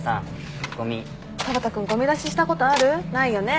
田畑君ごみ出ししたことある？ないよね。